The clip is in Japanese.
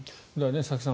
佐々木さん